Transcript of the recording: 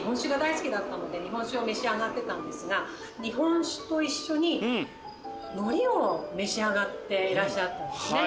ので日本酒を召し上がってたんですが。を召し上がっていらっしゃったんですね。